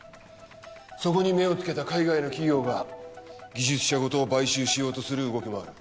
そこに目をつけた海外の企業が技術者ごと買収しようとする動きもある。